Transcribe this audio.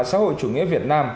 xã hội chủ nghĩa việt nam